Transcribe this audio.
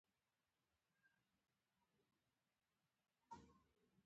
هغو کشرانو ته چې کامینټونه یې لیکلي دي، دعا کوم.